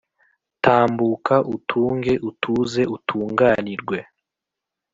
tambuka utunge utuze utunganirwe